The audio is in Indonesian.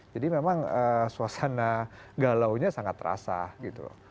jadi memang suasana galaunya sangat terasa gitu loh